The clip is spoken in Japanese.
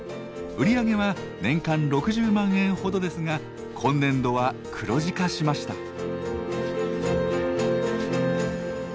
売り上げは年間６０万円ほどですが今年度は黒字化しました。